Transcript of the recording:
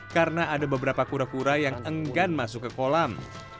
karena ada beberapa kura kura yang enggan masuk ke kolam